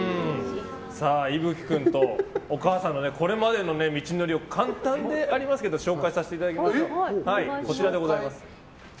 ｉｖｕ鬼君とお母さんのこれまでの道のりを簡単でありますけど紹介させていただきましょう。